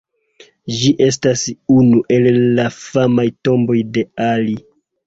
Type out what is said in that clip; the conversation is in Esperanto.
Ĝi estas unu el la famaj tomboj de Ali.